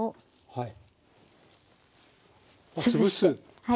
はい。